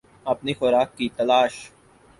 اپنی خوراک کی تلاش